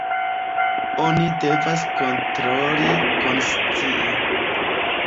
Oni devas kontroli konscie.